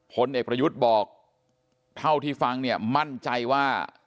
ผลเอกประยุทธ์บอกเท่าที่ฟังเนี่ยมั่นใจว่า